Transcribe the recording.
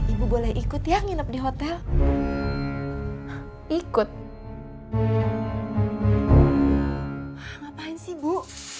ibu boleh ikut ya nginep deh ibu